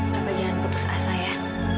bapak jangan putus asa ya